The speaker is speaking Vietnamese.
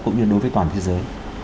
cũng như đối với toàn thế giới